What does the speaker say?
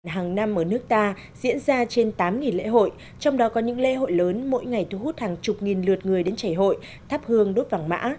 hàng năm ở nước ta diễn ra trên tám lễ hội trong đó có những lễ hội lớn mỗi ngày thu hút hàng chục nghìn lượt người đến chảy hội thắp hương đốt vàng mã